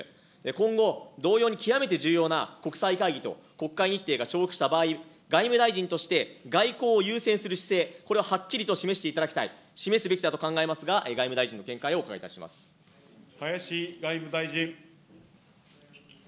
今後、同様に極めて重要な国際会議と国会日程が重複した場合、外務大臣として外交を優先する姿勢、これをはっきりと示していただきたい、示すべきだと考えますが、外務大臣の見解をお伺いいたしま林外務大臣。